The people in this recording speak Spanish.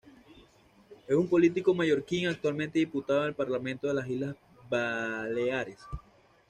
Es un político mallorquín, actualmente diputado en el Parlamento de las Islas Baleares.